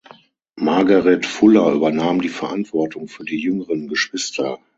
Margaret Fuller übernahm die Verantwortung für die jüngeren Geschwister.